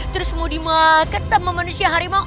terus mau dimaket sama manusia harimau